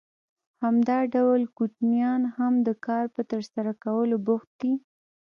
همدا ډول کوچنیان هم د کار په ترسره کولو بوخت دي